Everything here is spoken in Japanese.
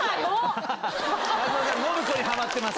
松本さん信子にハマってます。